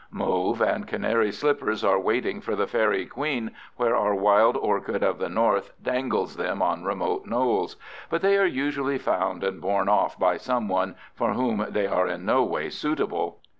Mauve and canary slippers are waiting for the fairy queen where our wild orchid of the North dangles them on remote knolls, but they are usually found and borne off by some one for whom they are in no way suitable.